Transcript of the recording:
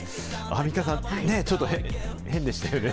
アンミカさん、ちょっとね、変でしたよね。